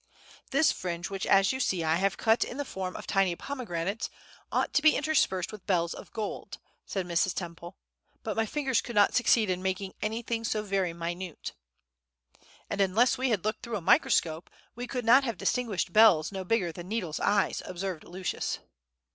"This fringe, which, as you see, I have cut out in the form of tiny pomegranates, ought to be interspersed with bells of gold," said Mrs. Temple; "but my fingers could not succeed in making anything so very minute." "And unless we had looked through a microscope, we could not have distinguished bells no bigger than needles' eyes," observed Lucius.